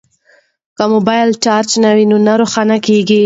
که موبایل چارج نه وي نو نه روښانه کیږي.